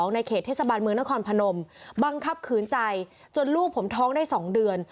ในเขตเทศบาลเมืองนครพนมบังคับขืนใจจนลูกผมท้องได้๒เดือน